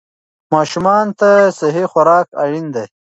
ماشومان ته صحي خوراک اړین دی.